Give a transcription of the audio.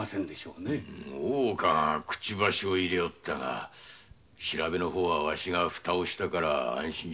大岡がクチバシを入れたが調べの方はわしがフタをしたから安心しろ。